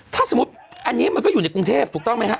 ถ้าสมมุติอันนี้มันก็อยู่ในกรุงเทพถูกต้องไหมฮะ